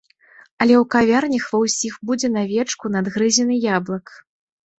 Але ў кавярнях ва ўсіх будзе на вечку надгрызены яблык.